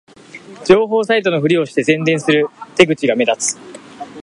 情報サイトのふりをして宣伝する手口が目立つ